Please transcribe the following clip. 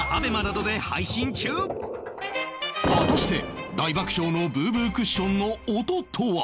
果たして大爆笑のブーブークッションの音とは？